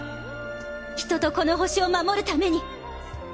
人とこの惑星を守るために。